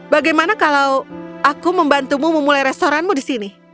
bagaimana kalau aku membantumu memulai restoranmu di sini